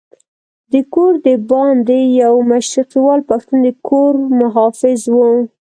د کور دباندې یو مشرقیوال پښتون د کور محافظ وو.